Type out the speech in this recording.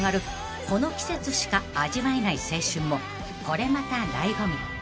この季節しか味わえない青春もこれまた醍醐味］